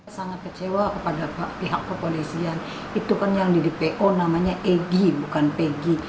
sangat kecewa kepada pihak kepolisian itu kan yang di dpo namanya egy bukan pegi